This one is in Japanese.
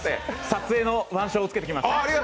撮影の腕章をつけてきました。